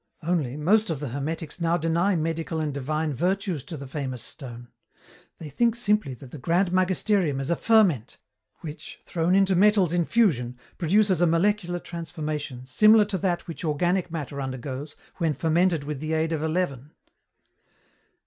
Only, most of the hermetics now deny medical and divine virtues to the famous stone. They think simply that the grand magisterium is a ferment, which, thrown into metals in fusion, produces a molecular transformation similar to that which organic matter undergoes when fermented with the aid of a leaven.